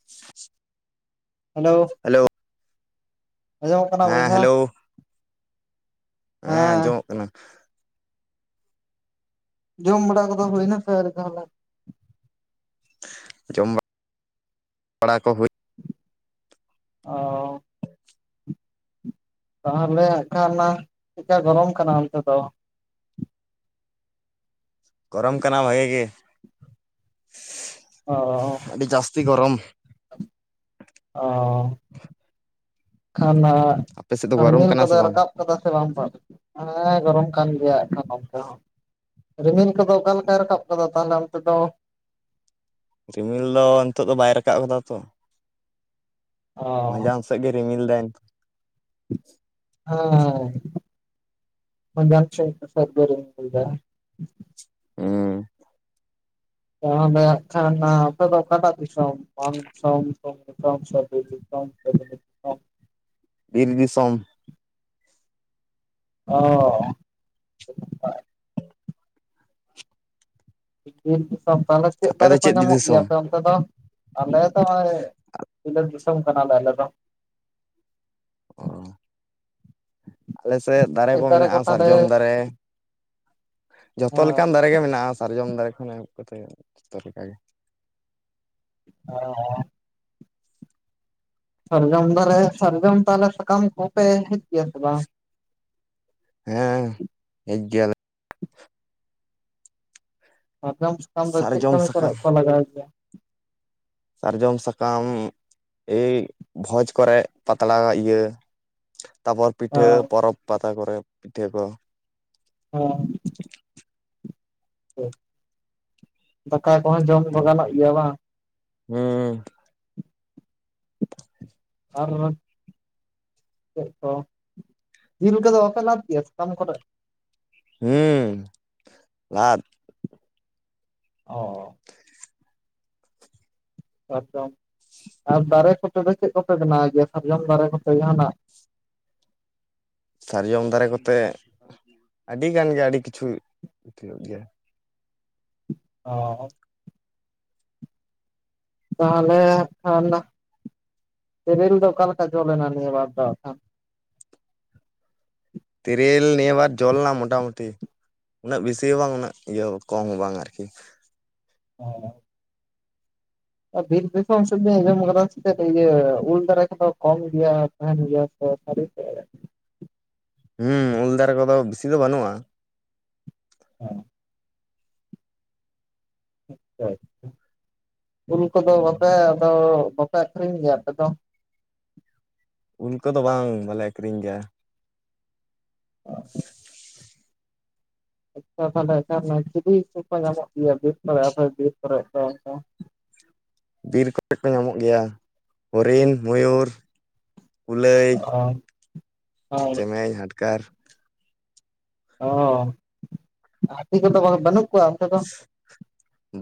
[inaudible] Hello ᱟᱸᱡᱚᱢᱚᱜ ᱠᱟᱱᱟ ᱦᱮᱸ ᱵᱚᱭᱦᱟ ᱦᱮᱞᱳ ᱦᱮᱸ ᱠᱟᱱᱟ ᱡᱚᱢ ᱵᱟᱲᱟ ᱠᱚᱫᱚ ᱦᱩᱭᱱᱟ ᱥᱮ ᱟᱣᱨᱤ ᱛᱟᱦᱚᱞᱮ ᱡᱚᱢ ᱵᱟᱲᱟ ᱠᱚ ᱦᱩᱭ ᱚ ᱛᱟᱦᱚᱞᱮ ᱦᱟᱜ ᱠᱷᱟᱱ ᱚᱱᱟ ᱪᱮᱫᱠᱟ ᱜᱚᱨᱚᱢ ᱠᱟᱱᱟ ᱚᱱᱛᱮ ᱫᱚ? ᱜᱚᱨᱚᱢ ᱠᱟᱱᱟ ᱵᱷᱟᱜᱮ ᱜᱮ ᱟᱰᱤ ᱡᱟᱹᱥᱛᱤ ᱜᱚᱨᱚᱢ ᱚᱻ ᱠᱷᱟᱱᱟ ᱟᱯᱮ ᱥᱮᱫ ᱫᱚ ᱜᱚᱨᱚᱢ ᱨᱤᱢᱤᱞ ᱠᱟᱱᱟ ᱥᱮ ᱠᱚᱫᱚ ᱵᱟᱝ ᱨᱟᱠᱟᱵ ᱠᱟᱫᱟ ᱥᱮ ᱵᱟᱝ ᱦᱮᱸ ᱜᱚᱨᱚᱢ ᱠᱟᱱ ᱜᱮᱭᱟ ᱮᱠᱷᱟᱱ ᱱᱚᱛᱮ ᱦᱚᱸ ᱨᱤᱢᱤᱞ ᱠᱚᱫᱚ ᱚᱠᱟ ᱞᱮᱠᱟᱭ ᱨᱟᱠᱟᱵ ᱠᱟᱫᱟ ᱛᱟᱦᱞᱮ ᱚᱱᱛᱮ ᱫᱚ ᱨᱤᱢᱤᱞ ᱫᱚ ᱱᱤᱛᱚᱜ ᱫᱚ ᱵᱟᱭ ᱨᱟᱠᱟᱵ ᱠᱟᱫᱟ ᱛᱚ᱾ ᱚ ᱢᱟᱸᱡᱟᱱ ᱥᱮᱜ ᱜᱮ ᱨᱤᱢᱤᱞ ᱫᱟᱭ ᱦᱮᱸ ᱢᱟᱡᱟᱱ ᱥᱮᱜ [inaudible] ᱦᱩᱸ ᱛᱟᱦᱚᱞᱮ ᱦᱟᱜ ᱠᱷᱟᱱ ᱱᱟ ᱟᱯᱮ ᱫᱚ ᱚᱠᱟᱴᱟᱜ ᱫᱤᱥᱚᱢ ᱢᱟᱱ ᱫᱤᱥᱚᱢ? ᱫᱤᱥᱚᱢ ᱥᱮ ᱵᱤᱨ ᱫᱤᱥᱚᱢ ᱥᱮ [inaudible] ᱵᱤᱨ ᱫᱤᱥᱚᱢ᱾ ᱚ ᱵᱤᱨ ᱫᱤᱥᱚᱢ ᱛᱟᱦᱞᱮ ᱪᱮᱜ ᱟᱯᱮ ᱫᱟᱨᱮ ᱫᱚ ᱠᱚ ᱪᱮᱫ ᱧᱟᱢᱚᱜ ᱜᱮᱭᱟ ᱫᱤᱥᱚᱢ ᱟᱯᱮ ᱚᱱ ᱟᱯᱮ ᱫᱚ? ᱟᱞᱮ ᱫᱚ ᱦᱚᱸᱜᱼᱚᱭ ᱵᱤᱞᱟᱹᱫ ᱫᱤᱥᱚᱢ ᱠᱟᱱᱟᱞᱮ ᱟᱞᱮ ᱫᱚ᱾ ᱚ ᱟᱞᱮ ᱥᱮᱜ ᱫᱟᱨᱮ ᱠᱚ ᱢᱮᱱᱟᱜᱼᱟ ᱥᱟᱨᱡᱚᱢ ᱫᱟᱨᱮ᱾ ᱡᱷᱚᱛᱚ ᱞᱮᱠᱟᱱ ᱫᱟᱨᱮ ᱜᱮ ᱢᱮᱱᱟᱜᱼᱟ ᱥᱟᱨᱡᱚᱢ ᱫᱟᱨᱮ ᱠᱷᱚᱱ ᱮᱦᱚᱵ ᱠᱟᱛᱮᱜ ᱡᱚᱛᱚ ᱞᱮᱠᱟᱜᱮ᱾ [inaudible] ᱥᱟᱨᱡᱚᱢ ᱫᱟᱨᱮ ᱥᱟᱨᱡᱚᱢ ᱛᱟᱦᱞᱮ ᱥᱟᱠᱟᱢ ᱠᱚᱯᱮ ᱦᱮᱡ ᱜᱮᱭᱟ ᱥᱮ ᱵᱟᱝ? ᱦᱮᱸ ᱦᱮᱡ ᱜᱮᱭᱟᱞᱮ᱾ ᱥᱟᱨᱡᱚᱢ ᱥᱟᱠᱟᱢ ᱫᱚ ᱪᱮᱜ ᱥᱟᱨᱡᱚᱢ ᱠᱟᱢᱤ ᱥᱟᱠᱟᱢ ᱠᱚᱨᱮᱜ ᱠᱚ ᱞᱟᱜᱟᱣ ᱜᱮᱭᱟ? ᱥᱟᱨᱡᱚᱢ ᱥᱟᱠᱟᱢ ᱮᱭ ᱵᱷᱚᱡᱽ ᱠᱚᱨᱮᱜ ᱯᱟᱛᱲᱟ ᱤᱭᱟᱹ ᱛᱟᱯᱚᱨ ᱯᱤᱴᱷᱟᱹ ᱯᱚᱨᱚᱵᱽ ᱯᱟᱛᱟ ᱠᱚᱨᱮ ᱯᱤᱴᱷᱟᱹ ᱠᱚ᱾ ᱦᱚᱸ ᱫᱟᱠᱟ ᱠᱚᱦᱚᱸ ᱡᱚᱢ ᱫᱚ ᱟᱨᱚ ᱜᱟᱱᱚᱜ ᱜᱮᱭᱟ ᱵᱟᱝ? ᱦᱩᱸ [inaudible] ᱟᱨ ᱪᱮᱜ ᱠᱚ ᱡᱤᱞ ᱠᱚᱫᱚ ᱵᱟᱯᱮ ᱞᱟᱫ ᱜᱮᱭᱟ ᱥᱟᱠᱟᱢ ᱠᱚᱨᱮᱜ? ᱦᱩᱸ ᱞᱟᱫ ᱚ ᱥᱟᱨᱡᱚᱢ ᱟᱨ ᱫᱟᱨᱮ ᱠᱚᱛᱮ ᱫᱚ ᱪᱮᱫᱜ ᱠᱚᱯᱮ ᱵᱮᱱᱟᱣ ᱜᱮᱭᱟ? ᱥᱟᱨᱡᱚᱢ ᱫᱟᱨᱮ ᱠᱚᱛᱮ ᱡᱟᱦᱟᱱᱟᱜ ᱥᱟᱨᱡᱚᱢ ᱫᱟᱨᱮ ᱠᱚᱛᱮ ᱟᱹᱰᱤ ᱜᱟᱱ ᱜᱮ ᱟᱹᱰᱤ ᱠᱤᱪᱷᱩ ᱦᱩᱭᱩᱜ ᱜᱮᱭᱟ ᱾ ᱚ ᱛᱟᱦᱚᱞᱮ ᱠᱷᱟᱱ ᱛᱮᱨᱤᱞ ᱫᱚ ᱚᱠᱟᱮᱠᱟ ᱡᱚᱞᱮᱱᱟ ᱱᱤᱭᱟᱹ ᱵᱟᱨ ᱫᱚ ᱟᱠᱷᱟᱱ? ᱛᱤᱨᱤᱞ ᱱᱤᱭᱟᱵᱟᱨ ᱡᱚᱞᱮᱱᱟ ᱢᱚᱴᱟᱢᱩᱴᱤ᱾ ᱩᱱᱟᱹᱜ ᱵᱮᱥᱤ ᱦᱚᱸ ᱵᱟᱝ ᱩᱱᱟᱹᱜ ᱤᱭᱟᱹ ᱠᱚᱢ ᱦᱚᱸ ᱵᱟᱝ ᱟᱨᱠᱤ᱾ ᱚᱸ ᱟᱨ ᱵᱤᱨ ᱫᱤᱥᱟᱹᱢ ᱥᱮᱜ ᱞᱤᱧ ᱟᱸᱡᱚᱢ ᱠᱟᱫᱟ ᱥᱮᱪᱮᱫ ᱤᱭᱟᱹ ᱩᱞ ᱫᱟᱨᱟ ᱠᱚᱢ ᱜᱮᱭᱟ? ᱛᱟᱦᱮᱱ ᱜᱮᱭᱟ ᱥᱮ ᱥᱟᱨᱤ ᱥᱮ ᱮᱲᱮ? ᱦᱩᱸ ᱩᱞ ᱫᱟᱨᱮ ᱠᱚᱫᱚ ᱵᱤᱥᱤ ᱫᱚ ᱵᱟᱹᱱᱩᱜᱼᱟ ᱾ ᱦᱮᱸ [inaudible] ᱩᱞ ᱠᱚᱫᱚ ᱵᱟᱯᱮ ᱟᱫᱚ ᱵᱟᱯᱮ ᱟᱠᱷᱨᱤᱧ ᱜᱮᱭᱟ ᱟᱯᱮ ᱫᱚ? ᱩᱞ ᱠᱚᱫᱚ ᱵᱟᱝ ᱵᱟᱞᱮ ᱟᱹᱠᱷᱨᱤᱧ ᱜᱮᱭᱟ᱾ [inaudible] ᱟᱪᱪᱷᱟ ᱛᱟᱦᱞᱮ [inaudible] ᱪᱤᱞᱤ ᱠᱚ ᱠᱚ ᱧᱟᱢᱚᱜ ᱜᱮᱭᱟ ᱵᱤᱨ ᱠᱚᱨᱮ ᱟᱯᱮ ᱵᱤᱨ ᱠᱚᱨᱮ ᱫᱚ ᱚᱝᱠᱟ? ᱵᱤᱨ ᱠᱚᱨᱮ ᱠᱚ ᱧᱟᱢᱚᱜ ᱜᱮᱭᱟ ᱦᱚᱨᱤᱱ, ᱢᱚᱭᱩᱨ᱾ ᱠᱩᱞᱟᱹᱭ ᱚ, ᱚ ᱢᱮᱧ ᱦᱟᱰᱜᱟᱨ ᱚ ᱦᱟᱛᱤ ᱠᱚᱫᱚ ᱵᱟᱹᱱᱩᱜ ᱠᱩᱣᱟ ᱚᱱᱛᱮ ᱫᱚ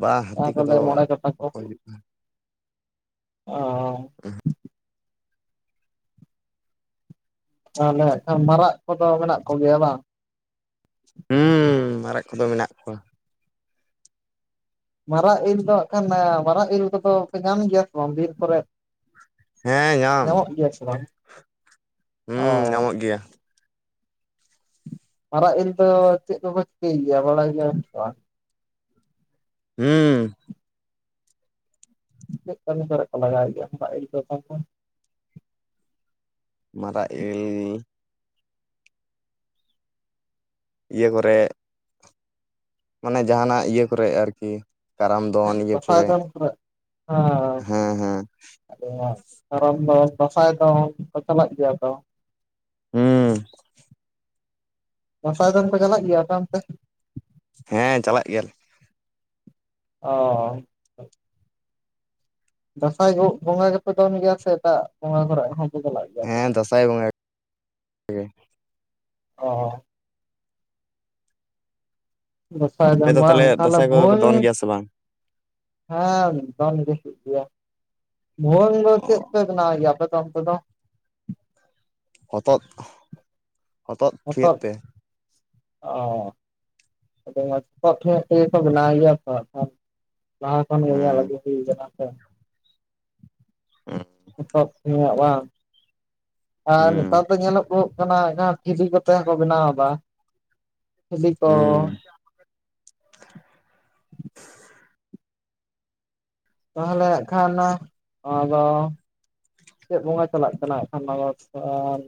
ᱵᱟ ᱦᱟᱹᱛᱤ ᱡᱟᱦᱟᱸ ᱠᱚ ᱠᱚᱫᱚ ᱞᱟᱭᱟ ᱢᱚᱬᱮ ᱠᱟᱴᱟ ᱠᱚ? ᱵᱟᱠᱚ ᱦᱤᱡᱩᱜ ᱠᱟᱱᱟ ᱚ [unintelligible] ᱛᱟᱞᱮ ᱢᱟᱨᱟᱜ ᱠᱚᱫᱚ ᱢᱮᱱᱟᱜ ᱠᱚᱜᱮᱭᱟ ᱵᱟᱝ? ᱦᱩᱸ ᱢᱟᱨᱟᱜ ᱠᱚᱫᱚ ᱢᱮᱱᱟᱜ ᱠᱚᱣᱟ ᱾ ᱢᱟᱨᱟᱜ ᱤᱞ ᱫᱚ ᱠᱷᱟᱱ ᱢᱟᱨᱟᱜ ᱤᱞ ᱠᱚᱫᱚ ᱯᱮ ᱧᱟᱢ ᱜᱮᱭᱟ ᱥᱮ ᱵᱟᱝ ᱵᱤᱨ ᱠᱚᱨᱮᱫ? ᱦᱮᱸ ᱧᱟᱢ ᱧᱟᱢᱚᱜ ᱜᱮᱭᱟ ᱥᱮ ᱵᱟᱝ ᱚ᱾ ᱦᱩᱸ ᱧᱟᱢᱚᱜ ᱜᱮᱭᱟ ᱢᱟᱨᱟᱜ ᱤᱞ ᱫᱚ ᱪᱮᱫ ᱠᱚᱠᱚ ᱪᱤᱠᱟᱹᱭ ᱜᱮᱭᱟ ᱵᱟᱲᱟᱭ ᱜᱮᱭᱟᱢ ᱥᱮ ᱵᱟᱝ? ᱦᱩᱸ᱾ ᱪᱮᱫ ᱠᱟ. ᱢᱤ ᱠᱚᱨᱮ ᱠᱚ ᱞᱟᱜᱟᱣ ᱜᱮᱭᱟ [unintelligible] ᱢᱟᱨᱟᱜ ᱤᱞ ᱤᱭᱟᱹ ᱠᱚᱨᱮ ᱢᱟᱱᱮ ᱡᱟᱦᱟᱱᱟᱜ ᱤᱭᱟᱹ ᱠᱚᱨᱮ ᱟᱨᱠᱤ᱾ ᱠᱟᱨᱟᱢ ᱫᱚᱱ ᱤᱭᱟᱹ ᱫᱟᱸᱥᱟᱭ ᱠᱚᱨᱮ ᱫᱚᱱ ᱦᱮᱸ ᱦᱮᱸ᱾ ᱟᱫᱚ ᱠᱟᱨᱟᱢ ᱫᱚᱱ ᱫᱟᱸᱥᱟᱭ ᱫᱚᱱ ᱪᱟᱞᱟᱜ ᱜᱮᱭᱟ ᱛᱚ᱾ ᱦᱩᱸ᱾ ᱫᱟ. ᱥᱟᱭ ᱫᱚᱱ ᱠᱚ ᱪᱟᱞᱟᱜ ᱜᱤᱭᱟᱹ ᱟᱯᱮ ᱚᱱᱛᱮ? ᱦᱮᱸ ᱪᱟᱞᱟᱜ ᱜᱮᱭᱟᱞᱮ ᱾ ᱚ᱾ ᱫᱟᱸᱥᱟᱭ ᱵᱚᱸᱜᱟ ᱜᱮᱯᱮ ᱫᱚᱱ ᱜᱮᱭᱟ ᱥᱮ ᱮᱴᱟᱜ ᱵᱚᱸᱜᱟ ᱠᱚᱨᱮ ᱦᱚᱸᱯᱮ ᱪᱟᱞᱟᱜ? ᱜᱮᱭᱟ ᱟᱯᱮ ᱫᱚ ᱦᱮᱸ ᱫᱟᱸᱥᱟᱭ ᱵᱚᱸᱜᱟ ᱜᱮ ᱾ ᱚ ᱦᱚᱸ᱾ ᱟᱯᱮ ᱫᱟᱸᱫᱟᱭ ᱫᱚ ᱵᱚᱸᱜᱟ ᱛᱟᱦᱚᱞᱮ ᱛᱟᱦᱞᱮ ᱫᱟᱸᱥᱟᱭ ᱠᱚᱫᱚ ᱯᱮ ᱦᱚᱭ ᱫᱚᱱ ᱾ ᱜᱮᱭᱟ ᱥᱮ ᱵᱟᱝ ᱦᱮᱸ ᱫᱚᱱ ᱜᱮ ᱦᱩᱭᱩᱜ ᱜᱮᱭᱟ ᱵᱷᱣᱟᱹᱝ ᱫᱚ ᱚ ᱪᱮᱫᱯᱮ ᱵᱮᱱᱟᱣ ᱜᱮᱭᱟ ᱟᱯᱮ ᱫᱚ ᱚᱸᱛᱮ ᱫᱚ? ᱦᱚᱛᱚᱫ ᱦᱚᱛᱚᱫ ᱛᱷᱤᱭᱟᱹᱜ ᱛᱮ᱾ ᱚ᱾ ᱟᱹᱰᱤ ᱢᱚᱡ ᱯᱚᱴ ᱧᱚᱜ ᱛᱮᱜᱮ ᱠᱚ ᱵᱮᱱᱟᱣ ᱜᱮᱭᱟ ᱛᱚ ᱾ ᱞᱟᱦᱟ ᱠᱷᱚᱱ ᱜᱮ ᱧᱮᱞ ᱦᱩᱸ ᱟᱹᱜᱩ ᱦᱩᱭ ᱠᱟᱱᱟ ᱥᱮ᱾ ᱮᱚᱛᱚᱵ ᱧᱚᱜ ᱵᱟᱝ ᱟᱨ ᱦᱩᱸ ᱱᱮᱛᱟᱨ ᱫᱚ ᱧᱮᱞᱚᱜᱚᱜ ᱠᱟᱱᱟ ᱡᱟᱦᱟᱸ ᱡᱷᱤᱨᱡᱤ ᱠᱚᱛᱮ ᱦᱚ ᱠᱚ ᱵᱮᱱᱟᱣ ᱮᱫᱟ, ᱡᱷᱤᱞᱤ ᱠᱚ᱾ ᱦᱩᱸ ᱛᱟᱦᱞᱮ ᱦᱟᱜ ᱠᱷᱟᱱ ᱱ ᱱᱚᱣᱟ ᱫᱚ ᱪᱮᱫ ᱵᱚᱸᱜᱟ ᱪᱟᱞᱟᱜ ᱠᱟᱱᱟ ᱮᱠᱷᱟᱱ ᱱᱚᱣᱟ ᱥᱟᱱ,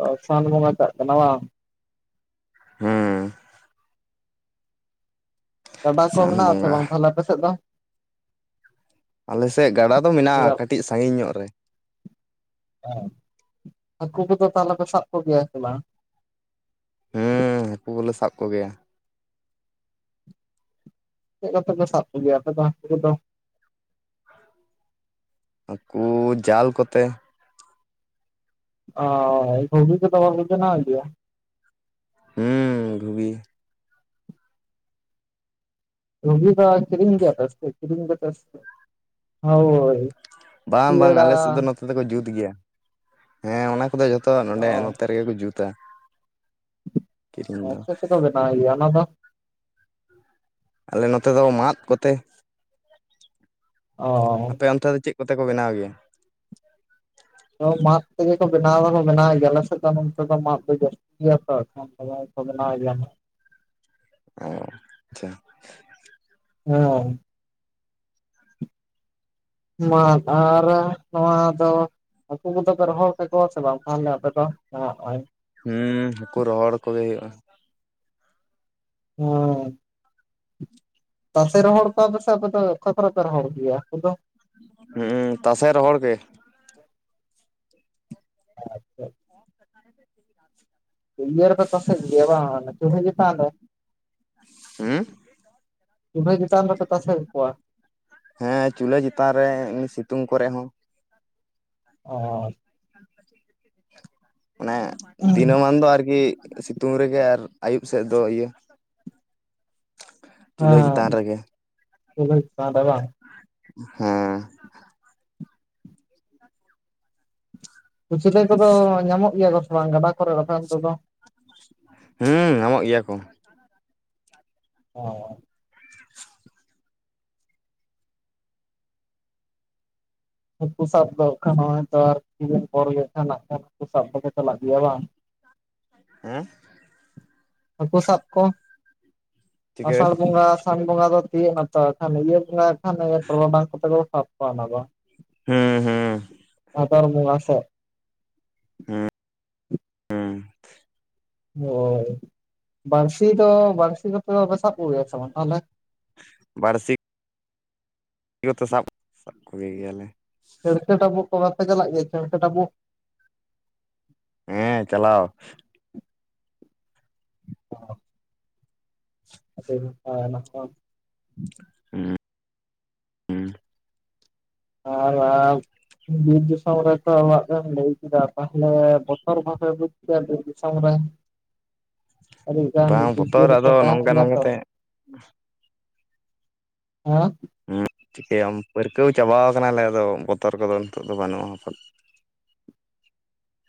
ᱚ ᱥᱟᱱ ᱵᱚᱸᱜᱟ ᱪᱟᱞᱟᱜ ᱠᱟᱱᱟ ᱵᱟᱝ? ᱦᱮᱸ᱾ ᱜᱟᱰᱟ ᱠᱚ ᱥᱟᱱ ᱢᱮᱱᱟᱜ ᱟᱥᱮ ᱵᱟᱝ ᱵᱚᱸᱜᱟ ᱛᱟᱦᱞᱮ ᱟᱯᱮ ᱥᱮᱫ ᱫᱚ? ᱟᱞᱮ ᱥᱮᱫ ᱜᱟᱰᱟ ᱫᱚ ᱢᱮᱱᱟᱜᱼᱟ, ᱠᱟᱹᱴᱤᱡ ᱥᱟᱺᱜᱤᱧ ᱧᱚᱜ ᱨᱮ᱾ ᱦᱮᱸ ᱦᱟᱹᱠᱩ ᱠᱚᱫᱚ ᱛᱟᱦᱞᱮ ᱯᱮ ᱥᱟᱵ ᱠᱚᱜᱮᱭᱟ ᱥᱮ ᱵᱟᱝ? ᱦᱮᱸ ᱦᱟᱹᱠᱩ ᱠᱚᱞᱮ ᱥᱟᱵ ᱠᱚᱜᱮᱭᱟ᱾ ᱪᱮᱫ ᱠᱚᱛᱮ ᱯᱮ ᱥᱟᱵ ᱠᱚᱜᱮᱭᱟ ᱟᱯᱮ ᱫᱚ ᱦᱟᱹᱠᱩ ᱠᱚ ᱫᱚ? ᱦᱟᱹᱠᱩ ᱡᱟᱞ ᱠᱚᱛᱮ? ᱚ ᱦᱳᱭ ᱵᱷᱩᱜᱤ ᱠᱚ ᱫᱚ ᱵᱟᱯᱮ ᱵᱮᱱᱟᱣᱮᱫ ᱜᱮᱭᱟ? ᱦᱩᱸ ᱰᱷᱩᱜᱤ ᱵᱷᱩᱜᱤ ᱫᱚ ᱠᱤᱨᱤᱧ ᱤᱫᱤᱭᱟᱯᱮ ᱥᱮᱪᱤᱫ ᱠᱤᱨᱤᱧ ᱠᱟᱛᱮ ᱥᱮ ᱦᱳᱭ᱾ ᱵᱟᱝ ᱵᱟᱝ ᱥᱤᱭᱟᱹᱲᱟ ᱟᱞᱮ ᱥᱮᱫ ᱫᱚ ᱱᱚᱛᱮ ᱫᱚᱠᱚ ᱡᱩᱛ ᱜᱮᱭᱟ ᱦᱮᱸ ᱚᱱᱟ ᱠᱚᱫᱚ ᱡᱚᱛᱚ ᱱᱚᱰᱮ ᱚ ᱱᱚᱛᱮ ᱯᱮ ᱠᱚ ᱡᱩᱛᱟ᱾ ᱠᱤᱨᱤᱧ ᱦᱮᱸ ᱫᱚ ᱪᱮᱫ ᱛᱮᱠᱚ ᱵᱮᱱᱟᱣ ᱜᱮᱭᱟ ᱚᱱᱟ ᱫᱚ? ᱟᱞᱮ ᱱᱚᱛᱮ ᱫᱚ ᱢᱟᱫ ᱠᱚᱛᱮ᱾ ᱟᱯᱮ ᱚᱱᱛᱮ ᱫᱚ ᱪᱮᱫ ᱠᱚᱛᱮ ᱠᱚ ᱵᱮᱱᱟᱣ ᱜᱮᱭᱟ? ᱦᱚᱸ ᱢᱟᱫ ᱛᱮᱜᱮ ᱠᱚ ᱵᱮᱱᱟᱣ ᱦᱚᱸ ᱵᱮᱱᱟᱣ ᱮᱫ ᱜᱮᱭᱟᱞᱮ ᱟᱞᱮᱥᱮᱫ ᱫᱚ ᱱᱚᱱᱛᱮ ᱫᱚ ᱢᱟᱫ ᱫᱚ ᱡᱟᱹᱥᱛᱤ ᱜᱮᱭᱟ ᱛᱚ ᱟᱞᱮ ᱦᱚᱸ ᱠᱚ ᱵᱮᱱᱟᱣ ᱜᱮᱭᱟ ᱾ ᱦᱮᱸ ᱦᱮ ᱢᱟᱫ ᱟᱨ ᱱᱚᱣᱟ ᱫᱚ ᱦᱟᱹᱠᱩ ᱠᱚᱫᱚ ᱯᱮ ᱨᱚᱦᱚᱲ ᱠᱟᱠᱚᱣᱟ ᱥᱮ ᱵᱟᱝ ᱛᱟᱦᱞᱮ ᱟᱯᱮ ᱫᱚ ᱱᱟᱦᱟᱜ ᱦᱚᱜ-ᱚᱭ ᱦᱩᱸ ᱦᱟᱹᱠᱩ ᱨᱚᱦᱚᱲ ᱠᱚᱜᱮ ᱦᱩᱭᱩᱜᱼᱟ᱾ ᱦᱚᱸ ᱛᱟᱥᱮ ᱨᱚᱦᱚᱲ ᱠᱚᱣᱟ ᱯᱮ ᱥᱮ ᱟᱯᱮ ᱫᱚ ᱚᱠᱟ ᱠᱚᱨᱮ ᱯᱮ ᱨᱚᱦᱚᱲ ᱠᱚ ᱜᱮᱭᱟ ᱦᱟᱹᱠᱩ ᱫᱚ? ᱦᱩᱸ ᱛᱟᱥᱮ ᱨᱚᱦᱚᱲ ᱜᱮ᱾ [unintelligible] ᱤᱭᱟᱹ ᱨᱮᱯᱮ ᱛᱟᱥᱮ ᱠᱚ ᱜᱮᱭᱟ ᱵᱟᱝ ᱪᱩᱞᱦᱟᱹ ᱪᱮᱛᱟᱱ ᱨᱮ? ᱦᱩᱸ ᱪᱩᱞᱦᱟᱹ ᱪᱮᱛᱟᱱ ᱨᱮᱯᱮ ᱛᱟᱥᱮ ᱠᱟᱠᱚᱣᱟ? ᱦᱮᱸ ᱪᱩᱞᱦᱟᱹ ᱪᱮᱛᱟᱱ ᱨᱮ ᱥᱤᱛᱩᱝ ᱠᱚᱨᱮ ᱦᱚᱸ᱾ ᱚ ᱢᱟᱱᱮ ᱦᱮᱸ ᱫᱤᱱᱟᱹᱢᱟᱱ ᱫᱚ ᱟᱨᱜᱤ ᱥᱤᱛᱩᱝ ᱨᱮᱜᱮ ᱟᱨ ᱟᱹᱭᱩᱵ ᱥᱮᱫ ᱫᱚ ᱤᱭᱟᱹ ᱪᱩᱞᱦᱟᱹ ᱦᱮᱸ ᱪᱮᱛᱟᱱ ᱨᱮᱜᱮ ᱪᱩᱞᱦᱟᱹ ᱪᱮᱛᱟᱱ ᱨᱮ ᱵᱟᱝ? ᱦᱮᱸ᱾ ᱠᱩᱪᱞᱳ ᱠᱚᱫᱚ ᱧᱟᱢᱚᱜ ᱜᱮᱭᱟ ᱠᱚ ᱥᱮ ᱵᱟᱝ ᱜᱟᱰᱟ ᱠᱚᱨᱮ ᱨᱟᱛᱟᱱ ᱰᱳᱰᱳᱝ? ᱦᱩᱸ ᱧᱟᱢᱚᱜ ᱜᱮᱭᱟ ᱠᱚ᱾ ᱚ ᱦᱟᱹᱠᱩ ᱠᱩ ᱥᱟᱵ ᱫᱚ ᱮᱠᱷᱱ ᱱᱚᱜᱼᱚᱭ ᱟᱨ ᱠᱤᱪᱷᱩ ᱫᱤᱱ ᱯᱚᱨ ᱜᱮ ᱦᱟᱸᱜ ᱦᱟᱹᱠᱩ ᱥᱟᱵ ᱫᱚ ᱯᱮ ᱪᱟᱞᱟᱜ ᱜᱮᱭᱟ ᱵᱟᱝ ᱦᱮᱸ᱾ ᱦᱟᱹᱠᱩ ᱥᱟᱵ ᱠᱚ ᱪᱤᱠᱟᱹ ᱟᱥᱟᱲ ᱵᱚᱸᱜᱟ ᱟᱥᱟᱱ ᱵᱚᱸᱜᱟ ᱫᱚ ᱛᱤᱭᱟᱹᱜ ᱱᱟᱛᱚ ᱮᱠᱷᱟᱱ ᱤᱭᱟᱹ ᱵᱚᱸᱜᱟ ᱮᱠᱷᱟᱱ ᱴᱚᱨᱚᱰᱟᱝ ᱠᱚᱛᱮ ᱠᱚ ᱥᱟᱵ ᱠᱚᱣᱟ ᱚᱱᱟ ᱫᱚ᱾ ᱦᱩᱸ ᱦᱩᱸ ᱵᱷᱟᱫᱚᱨ ᱵᱚᱸᱜᱟ ᱥᱮ ᱦᱚᱭ ᱵᱟᱹᱲᱥᱤ ᱫᱚ ᱵᱟᱹᱲᱥᱤ ᱠᱟᱛᱮᱜ ᱫᱚᱯᱮ ᱥᱟᱵ ᱠᱚ ᱜᱮᱭᱟ ᱥᱮ ᱵᱟᱝ ᱛᱟᱦᱞᱮ? ᱵᱟᱹᱲᱥᱤᱠ ᱡᱚᱛᱚ ᱥᱟᱵ ᱥᱟᱵ ᱠᱚᱜᱮ ᱜᱮᱭᱟᱞᱮ ᱪᱷᱟᱹᱲᱠᱟᱹ ᱴᱟᱹᱵᱩᱜ ᱠᱚ ᱵᱟᱯᱮ ᱪᱟᱞᱟᱜ ᱜᱮᱭᱟ ᱪᱟᱹᱲᱠᱟᱹ ᱴᱟᱹᱵᱩᱜ ᱦᱮᱸ ᱪᱟᱞᱟᱣ ᱚ‌ [unintelligible] ᱦᱩᱸ ᱦᱩᱸ [unintelligible] ᱵᱤᱨ ᱫᱤᱥᱚᱢ ᱨᱮᱛᱚ ᱚᱲᱟᱜ ᱮᱢ ᱞᱟᱹᱭ ᱠᱮᱫᱟ ᱛᱟᱦᱞᱮ ᱵᱚᱛᱚᱨ ᱵᱟᱯᱮ ᱵᱩᱡ ᱛᱮ ᱵᱤᱨ ᱫᱤᱥᱚᱢ ᱨᱮ ᱟᱹᱰᱤ ᱜᱟᱱ ᱵᱟᱝ ᱡᱤᱯ ᱵᱚᱛᱚᱨ ᱡᱤᱭᱟᱞᱤ ᱠᱚ ᱟᱫᱚ ᱛᱟᱦᱮᱱ ᱱᱚᱝᱠᱟ ᱜᱮᱭᱟ ᱛᱚ ᱱᱚᱝᱠᱟᱛᱮ [unintelligible] ᱪᱤᱠᱟᱹᱭᱟᱢ ᱯᱟᱹᱨᱠᱟᱹᱣ ᱪᱟᱵᱟᱣ ᱠᱟᱱᱟᱞᱮ ᱟᱫᱚ ᱵᱚᱛᱚᱨ ᱠᱚᱫᱚ ᱱᱤᱛᱚᱜ ᱫᱚ ᱵᱟᱹᱱᱩᱜᱼᱟ ᱟᱯᱟ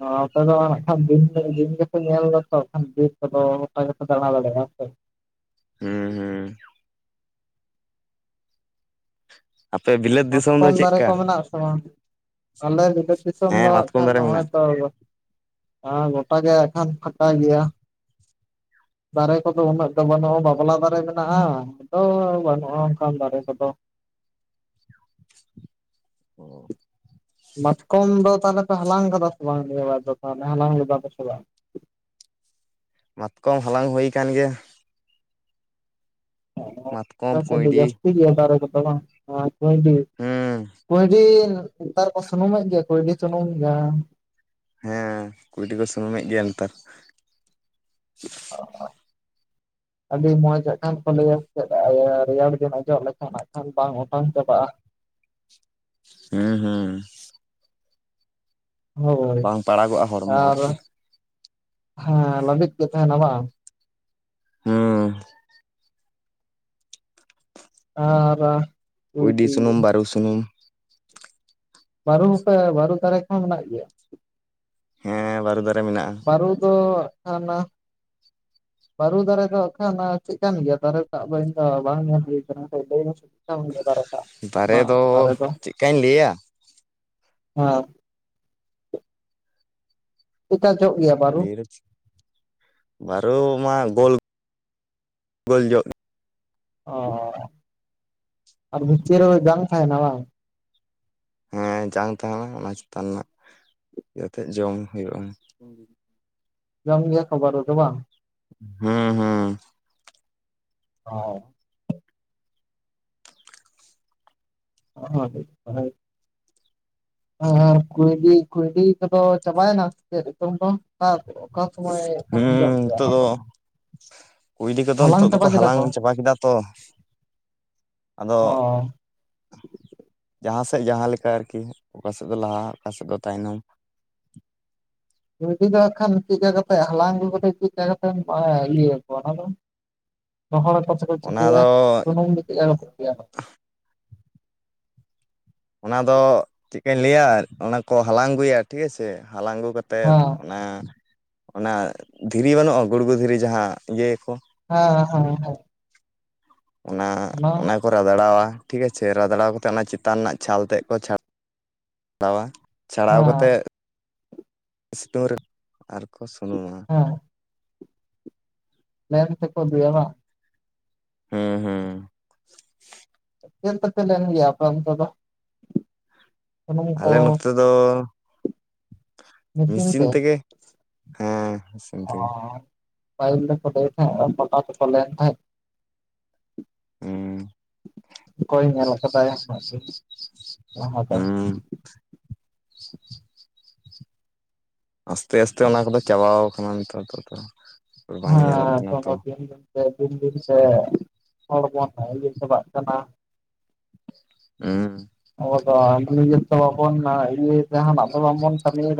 ᱚ ᱟᱯᱮ ᱫᱚ ᱦᱟᱜ ᱠᱷᱟᱱ ᱫᱤᱱ ᱯᱮ ᱫᱤᱱ ᱜᱮᱯᱮ ᱧᱮᱞ ᱫᱟᱛᱚ ᱵᱤᱨ ᱠᱚᱫᱚ ᱜᱚᱴᱟ ᱜᱮᱯᱮ ᱫᱟᱬᱟ ᱫᱟᱲᱮᱭᱟᱜᱼᱟ ᱦᱮ ᱥᱮ ᱦᱮᱸ ᱦᱩᱸ ᱟᱯᱮ ᱵᱤᱞᱟ. ᱛ ᱢᱟᱛᱠᱚᱢ ᱫᱟᱨᱮ ᱠᱚ ᱢᱮᱱᱟᱜ-ᱟ ᱥᱮ ᱵᱟᱝ ᱟᱞᱮ ᱵᱤᱞᱟ‌. ᱛ ᱫᱤᱥᱚᱢ ᱫᱚ ᱦᱮᱸ ᱦᱟᱜ ᱢᱟᱛᱠᱚᱢ ᱠᱷᱟᱱ ᱫᱟᱨᱮ ᱱᱚᱜᱼᱚᱭ ᱢᱮᱱᱟᱜᱼᱟ ᱛᱚ ᱜᱚᱴᱟ ᱜᱮ ᱦᱟᱜ ᱠᱷᱟᱱ ᱯᱷᱟᱠᱟ ᱜᱮᱭᱟ ᱫᱟᱨᱮ ᱠᱚᱫᱚ ᱩᱱᱟᱹᱜ ᱫᱚ ᱵᱟᱹᱱᱩᱜᱼᱟ ᱵᱟᱯᱞᱟ ᱫᱟᱨᱮ ᱢᱮᱱᱟᱜᱼᱟ ᱟᱫᱚ ᱵᱟᱹᱱᱩᱜᱼᱟ ᱚᱱᱠᱟᱱ ᱫᱟᱨᱮ ᱠᱚᱫᱚ᱾ [inaudible] ᱢᱟᱛᱠᱚᱢ ᱫᱚ ᱛᱟᱦᱚᱞᱮ ᱯᱮ ᱦᱟᱞᱟᱝ ᱠᱟᱫᱟ ᱥᱮ ᱵᱟᱝ ᱱᱤᱭᱟ ᱵᱟᱨ ᱫᱚ ᱛᱟᱦᱚᱞᱮ ᱦᱟᱞᱟᱝ ᱞᱮᱫᱟ ᱯᱮᱥᱮ ᱵᱟᱝ? ᱢᱟᱛᱠᱚᱢ ᱦᱟᱞᱟᱝ ᱦᱩᱭ ᱟᱠᱟᱱ ᱜᱮᱭᱟ᱾ ᱚ ᱟᱯᱮ ᱢᱟᱛᱠᱚᱢ ᱥᱮᱫ ᱫᱚ ᱠᱩᱸᱭᱰᱤ ᱡᱟᱹᱥᱛᱤ ᱜᱮᱭᱟ ᱫᱟᱨᱮ ᱠᱚᱫᱚ ᱵᱟᱝ? ᱠᱩᱸᱭᱰᱤ᱾ ᱦᱩᱸ ᱠᱩᱸᱭᱰᱤ ᱱᱮᱛᱟᱨ ᱠᱚ ᱥᱩᱱᱩᱢᱮᱫ ᱜᱮᱭᱟ ᱠᱩᱸᱭᱰᱤ ᱥᱩᱱᱩᱢ ᱡᱟᱦᱟᱸ ᱦᱮᱸ᱾ ᱠᱩᱸᱭᱰᱤ ᱠᱚ ᱥᱩᱱᱩᱢᱮᱫ ᱜᱮᱭᱟ ᱱᱮᱛᱟᱨ᱾ [unintelligible] ᱟᱹᱰᱤ ᱢᱚᱸᱡᱽ ᱦᱟᱸᱜ ᱠᱷᱟᱱ ᱠᱚ ᱞᱟᱹᱭᱟ ᱥᱮᱪᱮᱫ ᱨᱮᱭᱟᱲ ᱫᱤᱱ ᱚᱡᱚᱜ ᱞᱮᱠᱷᱟᱱ ᱦᱟᱸᱜ ᱠᱷᱟᱱ ᱵᱟᱝ ᱚᱴᱟᱝ ᱪᱟᱵᱟᱜᱼᱟ᱾ ᱦᱩᱸ ᱦᱩᱼ᱾ ᱦᱳᱭ ᱵᱟᱝ ᱯᱟᱲᱟᱜᱚᱜᱼᱟ ᱦᱚᱲᱢᱚ ᱟᱨ ᱟᱨᱠᱤ ᱦᱮᱸ ᱞᱟᱹᱵᱤᱫ ᱜᱮ ᱛᱟᱦᱮᱱᱟ ᱵᱟᱝ᱾ ᱦᱩᱸ᱾ ᱟᱨᱟ ᱠᱩᱭᱰᱤ ᱥᱩᱱᱩᱢ, ᱵᱟᱨᱩ ᱥᱩᱱᱩᱢ᱾ ᱵᱟᱨᱩ ᱦᱚᱯᱮ ᱵᱟᱨᱩ ᱫᱟᱨᱮ ᱠᱚᱦᱚᱸ ᱢᱮᱱᱟᱜ ᱜᱮᱭᱟ? ᱦᱮᱸ ᱵᱟᱹᱨᱩ ᱫᱟᱨᱮ ᱢᱮᱱᱟᱜᱼᱟ᱾ ᱵᱟᱨᱩ ᱫᱚ ᱦᱟᱱᱟ ᱵᱟᱹᱨᱩ ᱫᱟᱨᱮ ᱫᱚ ᱦᱟᱜ ᱠᱷᱟᱱ ᱪᱮᱫ ᱠᱟᱱ ᱜᱮᱭᱟ ᱫᱟᱨᱮ ᱴᱟᱜ ᱫᱚ ᱤᱧ ᱫᱚ ᱵᱟᱝ ᱧᱮᱞ ᱦᱩᱭ ᱠᱟᱱᱟ ᱛᱚ ᱞᱟᱭ ᱢᱮᱥᱮ᱾ [unintelligible] ᱫᱟᱨᱮ ᱴᱟᱜ ᱚᱱᱟ ᱫᱟᱨᱮ ᱫᱟᱨᱮ ᱫᱚ᱾ ᱪᱮᱫᱠᱟᱧ ᱞᱟᱹᱭᱟ ᱪᱮᱫᱠᱟ ᱡᱚᱜ ᱜᱮᱭᱟ? ᱵᱟᱹᱨᱩ ᱵᱟᱨᱩ ᱢᱟ ᱜᱳᱞ ᱜᱳᱞ ᱡᱚᱜ᱾ ᱚ ᱟᱨ ᱵᱦᱤᱛᱤᱨ ᱨᱮᱫᱚ ᱡᱟᱝ ᱛᱟᱦᱮᱱᱟ ᱵᱟᱝ᱾ ᱦᱮᱸ ᱡᱟᱝ ᱛᱟᱦᱮᱱᱟ ᱚᱱᱟ ᱪᱮᱛᱟᱱ ᱨᱮᱱᱟᱜ ᱤᱭᱟ ᱛᱮᱫ ᱡᱚᱢ ᱦᱩᱭᱩᱜᱼᱟ᱾ ᱡᱚᱢ ᱜᱮᱭᱟ ᱠᱚ ᱵᱟᱨᱩ ᱫᱚ ᱵᱟᱝ? ᱦᱩᱸ ᱦᱩᱸ᱾ ᱚ᱾ [unintelligible] ᱟᱨ ᱠᱩᱭᱰᱤ᱾ ᱠᱩᱭᱞᱤ ᱠᱚᱫᱚ ᱪᱟᱵᱟᱭ ᱱᱟ ᱥᱮ ᱪᱮᱫ ᱱᱤᱛᱚᱝ ᱫᱚ? ᱚᱠᱟ ᱥᱚᱢᱚᱭ ᱠᱷᱟᱱ ᱦᱩᱸ ᱡᱚᱜ ᱜᱮᱭᱟ ᱱᱤᱛᱳᱜ ᱚᱱᱟ ᱫᱚ ᱠᱩᱭᱞᱤ ᱠᱚᱫᱚ ᱦᱟᱞᱟᱝ ᱱᱤᱛᱳᱜ ᱪᱟᱵᱟ ᱫᱚᱠᱚ ᱠᱮᱫᱟ ᱦᱟᱞᱟᱝ ᱠᱚ ᱪᱟᱵᱟ ᱠᱮᱫᱟ᱾ ᱛᱚ ᱟᱫᱚ ᱚ ᱡᱟᱸᱦᱟ ᱥᱮᱫ ᱡᱟᱸᱦᱟ‌ ᱞᱮᱠᱟ ᱟᱨᱠᱤ᱾ ᱚᱠᱟ ᱥᱮᱫ ᱫᱚ ᱞᱟᱦᱟ, ᱚᱠᱟ ᱥᱮᱫ ᱫᱚ ᱛᱟᱭᱱᱚᱢ᱾ ᱠᱩᱭᱰᱤ ᱫᱚ ᱦᱟᱜ ᱠᱷᱟᱱ ᱪᱮᱫ ᱠᱟ ᱠᱟᱛᱮᱫ ᱦᱟᱞᱟᱝ ᱟᱜᱩ ᱠᱟᱛᱮᱫ ᱪᱮᱫ ᱠᱟ ᱠᱟᱛᱮᱢ ᱟ ᱤᱭᱟᱹ ᱭᱟᱠᱚ ᱚᱱᱟ ᱫᱚ? ᱨᱚᱦᱚᱲᱟ ᱠᱚ ᱥᱮᱠᱚ ᱚᱱᱟ ᱪᱤᱠᱟᱭᱟ? ᱫᱚ ᱥᱩᱱᱩᱢ ᱫᱚ ᱪᱮᱫ ᱠᱟ ᱠᱟᱛᱮ ᱛᱮᱭᱟᱨᱚᱜ? ᱚᱱᱟ ᱫᱚ ᱪᱮᱜ ᱠᱟᱧ ᱞᱟᱹᱭᱟ ᱚᱱᱟ ᱠᱚ ᱦᱟᱞᱟᱝ ᱟᱹᱜᱩᱭᱟ ᱴᱷᱤᱠ ᱟᱪᱷᱮ᱾ ᱦᱟᱞᱟᱝ ᱟᱹᱜᱩ ᱠᱟᱛ ᱛᱮᱫ ᱦᱮᱸ ᱚᱱᱟ ᱚᱱᱟ ᱫᱷᱤᱨᱤ ᱵᱟᱹᱱᱩᱜᱼᱟ ᱜᱩᱲᱜᱩ ᱫᱷᱤᱨᱤ ᱡᱟᱦᱟᱸ ᱤᱭᱟᱹ ᱭᱟᱠᱚ᱾ ᱦᱮᱸ ᱦᱮᱸ ᱦᱮᱸ᱾ ᱚᱱᱟ ᱚᱱᱟ ᱠᱚ ᱨᱟᱫᱟᱲᱟᱣᱟ ᱴᱷᱤᱠ ᱟᱪᱷᱮ ᱨᱟᱫᱲᱟᱣ ᱠᱟᱛᱮ ᱚᱱᱟ ᱪᱮᱛᱟᱱ ᱨᱮᱱᱟᱜ ᱪᱷᱟᱞ ᱛᱮᱫ ᱠᱚ ᱪᱷᱟ ᱪᱷᱟᱲᱟᱣᱟ᱾ ᱪᱷᱟᱲᱟᱣ ᱦᱮᱸ ᱠᱟᱛᱮᱫ ᱥᱤᱛᱩᱝ ᱨᱮ ᱟᱨᱠᱚ ᱥᱩᱱᱩᱢᱟ᱾ ᱦᱮᱸ᱾ ᱢᱮᱱ ᱯᱷᱮᱠ ᱦᱩᱸ ᱦᱩᱸ᱾ ᱪᱮᱫ ᱛᱮᱯᱮ ᱞᱮᱱ ᱜᱮᱭᱟ ᱚᱯᱮ ᱚᱱᱛᱮ ᱫᱚ᱾ ᱥᱩᱱᱩᱢ ᱠᱚ ᱟᱞᱮ ᱱᱚᱛᱮ ᱫᱚ ᱢᱮᱥᱤᱱ ᱛᱮᱜᱮ᱾ ᱦᱮᱸ ᱢᱮᱥᱤᱱ ᱚ ᱛᱮᱜᱮ᱾ ᱯᱟᱹᱦᱤᱞ ᱫᱚᱠᱚ ᱞᱟᱹᱭ ᱛᱟᱦᱮᱸᱜ [inaudible] ᱛᱟᱦᱮᱸᱜ᱾ ᱦᱩᱸ ᱚᱠᱚᱭ ᱧᱮᱞ ᱠᱟᱫᱟᱭᱟ [inaudible] ᱡᱟᱦᱟᱸ ᱫᱚ ᱦᱩᱸ ᱟᱥᱛᱮ ᱟᱥᱛᱮ ᱚᱱᱟ ᱠᱚᱫᱚ ᱪᱟᱵᱟᱟᱣ ᱠᱟᱱᱟ ᱱᱮᱛᱟᱨ ᱫᱚ ᱵᱟᱝ ᱧᱮᱞᱚᱜ [inaudible] ᱠᱟᱱᱟ ᱛᱚ ᱥᱮ ᱫᱤᱱ ᱫᱤᱱ ᱛᱮ ᱦᱚᱲ ᱵᱚᱱ ᱤᱭᱟᱹ ᱪᱟᱵᱟᱜ ᱠᱟᱱᱟ᱾ ᱩᱸ ᱟᱵᱚ ᱫᱚ [inaudible] ᱵᱟᱵᱚᱱ ᱤᱭᱟᱹ ᱡᱟᱦᱟᱱᱟᱜ ᱫᱚ ᱵᱟᱵᱚᱱ ᱠᱟᱹᱢᱤᱫᱟ᱾